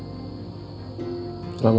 soal yang kemarin ma